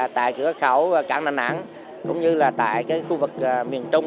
tại cửa khẩu cảng đà nẵng cũng như là tại khu vực miền trung